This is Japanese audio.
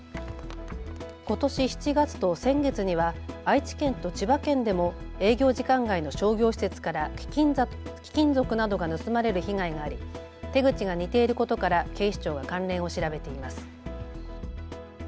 ことし７月と先月には愛知県と千葉県でも営業時間外の商業施設から貴金属などが盗まれる被害があり手口が似ていることから警視庁が関連を調べています。